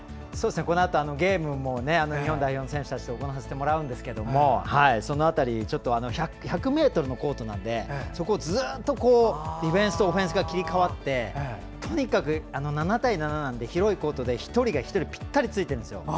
このあとゲームも日本代表選手たちとやらせてもらうんですけど１００ｍのコートなんでそこをずっとディフェンスとオフェンスが切り替わってとにかく７対７なので広いコートで１人が１人にぴったりついてるんですよ。